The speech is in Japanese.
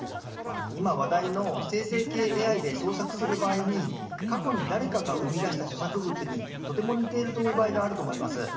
今、話題の生成系ＡＩで創作する場合に過去に誰かが生み出した著作物にとても似ているという場合があると思います。